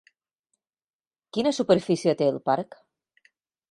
Quina superfície té el parc?